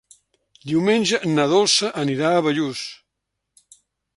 Diumenge na Dolça anirà a Bellús.